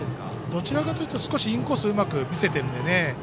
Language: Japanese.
どちらかというとインコースをうまく見せているのでね。